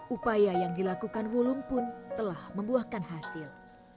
upaya yang dilakukan wulung pun telah membuahkan hasil